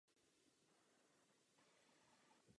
Stal se nejvyšším hofmistrem císařovny Alžběty.